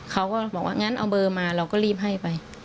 เขาก็บอกว่างั้นเอาเบอร์มาเราก็รีบให้ไป